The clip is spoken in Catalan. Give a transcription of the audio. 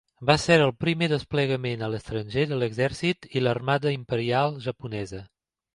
Va ser el primer desplegament a l'estranger de l'Exèrcit i l'Armada Imperial japonesa.